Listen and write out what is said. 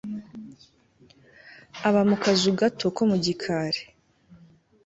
aba mu kazu gato ko mugikari